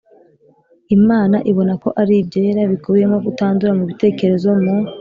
Imana ibona ko ari ibyera Bikubiyemo kutandura mu bitekerezo mu